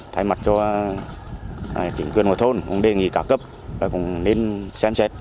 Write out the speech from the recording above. thay mặt cho chính quyền ngôi thôn cũng đề nghị cả cấp và cũng nên xem xét